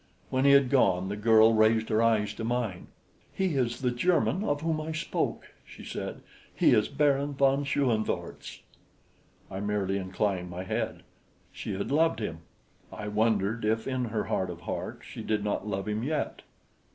When he had gone, the girl raised her eyes to mine. "He is the German of whom I spoke," she said. "He is Baron von Schoenvorts." I merely inclined my head. She had loved him! I wondered if in her heart of hearts she did not love him yet.